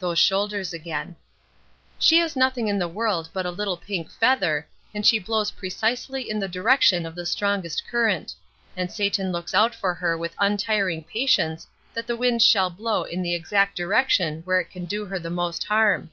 Those shoulders again. "She is nothing in the world but a little pink feather, and she blows precisely in the direction of the strongest current; and Satan looks out for her with untiring patience that the wind shall blow in the exact direction where it can do her the most harm.